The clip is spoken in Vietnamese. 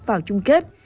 vào chung kết